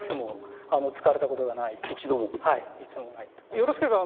よろしければ。